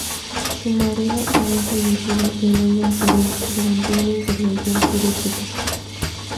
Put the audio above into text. Su marido había fallecido el año anterior durante una intervención quirúrgica.